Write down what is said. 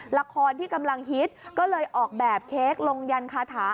ละครที่กำลังฮิตก็เลยออกแบบเค้กลงยันคาถา